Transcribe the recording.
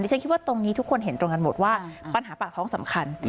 ฉันคิดว่าตรงนี้ทุกคนเห็นตรงกันหมดว่าปัญหาปากท้องสำคัญ